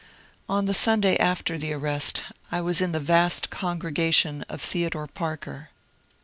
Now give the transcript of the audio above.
On the Sunday after the arrest I was in the vast congrega tion of Theodore Parker.